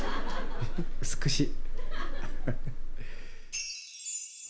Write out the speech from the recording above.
美しい。